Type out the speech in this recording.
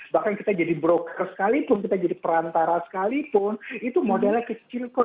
bahkan kita jadi broker sekalipun kita jadi perantara sekalipun itu modalnya kecil kok